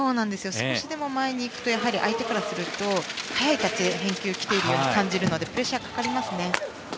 少しでも前に行くと相手からすると低いタッチで返球が来ているように感じるのでプレッシャーがかかりますね。